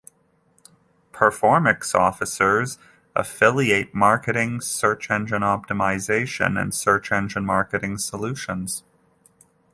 Performics offers affiliate marketing, search engine optimization, and search engine marketing solutions.